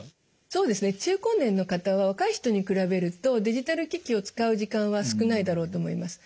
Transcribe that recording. そうですね中高年の方は若い人に比べるとデジタル機器を使う時間は少ないだろうと思います。